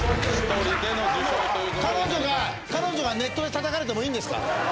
彼女がネットでたたかれてもいいんですか？